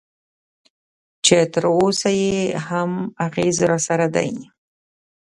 چې تراوسه یې هم اغېز راسره دی.